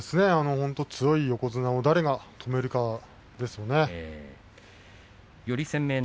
本当に強い横綱、誰が止めるのかですね。